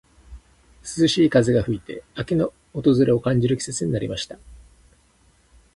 涼しい風が吹いて、秋の訪れを感じる季節になりました。